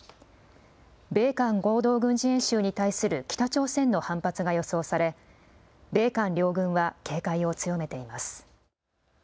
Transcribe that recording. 米韓合同軍事演習に対する北朝鮮の反発が予想され米韓両軍は警戒を強めています。